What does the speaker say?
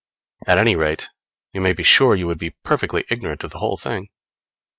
At any rate you may be sure you would be perfectly ignorant of the whole thing.